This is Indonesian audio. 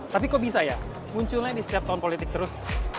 tapi kok bisa ya munculnya di setiap tahun politik terus